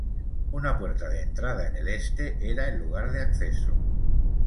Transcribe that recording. Una puerta de entrada en el este era el lugar de acceso.